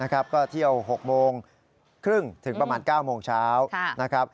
ก็เที่ยว๖โมงครึ่งถึงประมาณ๙โมงเช้านะครับ